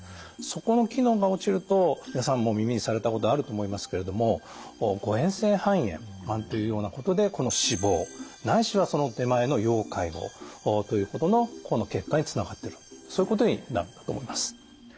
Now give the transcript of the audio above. そこの機能が落ちると皆さんも耳にされたことあると思いますけれども誤えん性肺炎なんていうようなことでこの死亡ないしはその手前の要介護ということのこの結果につながってるそういうことになるんだと思います。